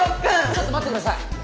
ちょっと待って下さい。